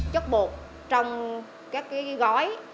chất bột trong các gói